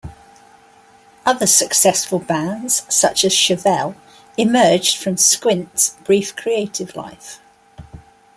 Other successful bands, such as Chevelle, emerged from Squint's brief creative life.